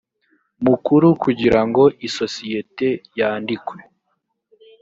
mukuru kugira ngo isosiyete yandikwe